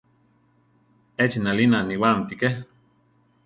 Echi nalina aniwáamti ké.